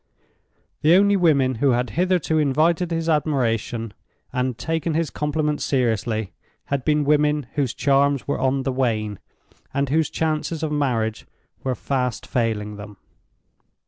The only women who had hitherto invited his admiration, and taken his compliments seriously had been women whose charms were on the wane, and whose chances of marriage were fast failing them.